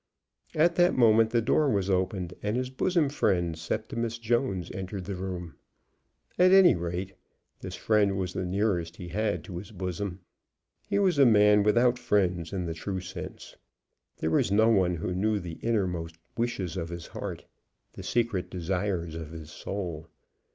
At that moment the door was opened and his bosom friend, Septimus Jones, entered the room. At any rate this friend was the nearest he had to his bosom. He was a man without friends in the true sense. There was no one who knew the innermost wishes of his heart, the secret desires of his soul.